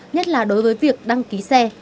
nhất là đối với việc đăng ký xe